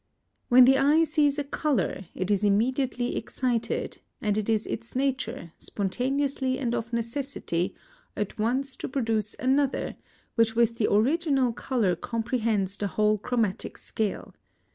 When the eye sees a colour it is immediately excited, and it is its nature, spontaneously and of necessity, at once to produce another, which with the original colour comprehends the whole chromatic scale.